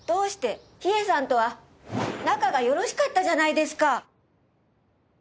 秘影さんとは仲がよろしかったじゃないですか。